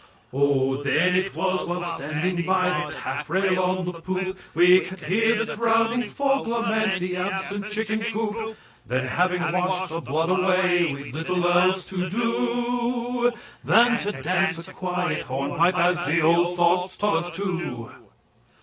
O! then it was (while standing by the taffrail on the poop) We could hear the drowning folk lament the absent chicken coop; Then, having washed the blood away, we'd little else to do Than to dance a quiet hornpipe as the old salts taught us to.